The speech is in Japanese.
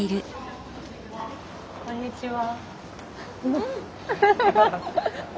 こんにちは。